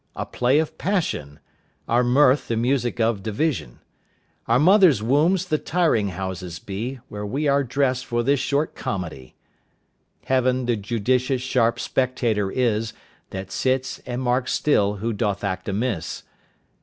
A play of passion, Our mirth the music of division, Our mother's wombs the tiring houses be, Where we are dressed for this short comedy. Heaven the judicious sharp spectator is, That sits and marks still who doth act amiss.